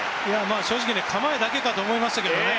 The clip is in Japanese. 正直構えだけかと思いましたけどね。